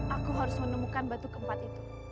aku harus menemukan batu keempat itu